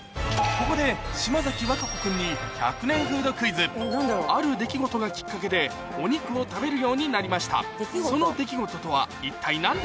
ここで島崎和歌子君にある出来事がきっかけでお肉を食べるようになりました